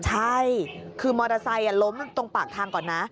ใช่คือมอเตอร์ไซค์ล้มตรงปากทางก่อนนะ